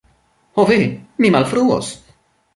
Ho, ve! mi malfruos!